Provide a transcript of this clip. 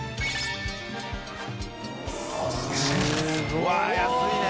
うわ安いね。